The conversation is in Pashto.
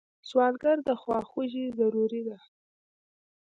سوالګر ته خواخوږي ضروري ده